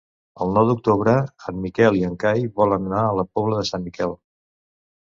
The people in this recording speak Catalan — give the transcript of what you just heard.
El nou d'octubre en Miquel i en Cai volen anar a la Pobla de Sant Miquel.